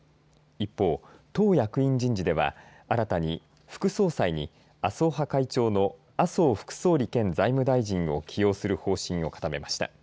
一方、党役員人事では新たに副総裁に麻生派会長の麻生副総理兼財務大臣を起用する方針を固めました。